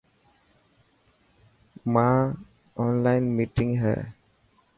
مائن اونلان مينٽنگ هي.